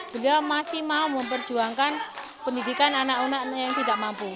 beliau masih mau memperjuangkan pendidikan anak anak yang tidak mampu